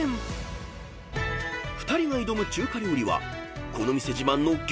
［２人が挑む中華料理はこの店自慢の激辛麻婆豆腐］